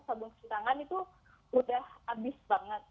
sambung cuci tangan itu udah abis banget